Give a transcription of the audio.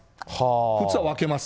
普通は分けます。